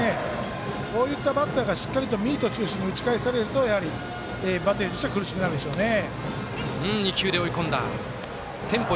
こういったバッターがしっかりとミート中心に打ち返されるとやはり、バッテリーとしては苦しくなるでしょうね。